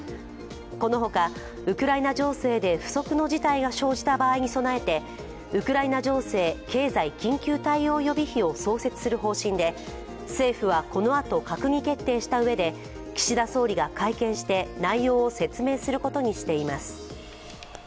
このほか、ウクライナ情勢で不測の事態が生じた場合に備えてウクライナ情勢経済緊急対応予備費を創設する方針で、政府はこのあと、閣議決定したうえで、岸田総理が会見して内容を説明することにしています。